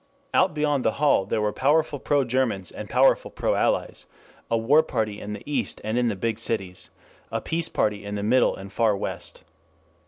Out beyond the hall there were powerful pro Germans and powerful pro Allies; a war party in the East and in the big cities; a peace party in the middle and far West.